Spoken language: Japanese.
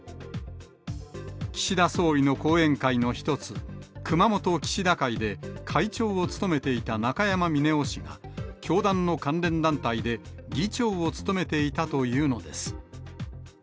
岸田総理の後援会の一つ、熊本岸田会で会長を務めていた中山峰男氏が、教団の関連団体で議長を務めていたというのです。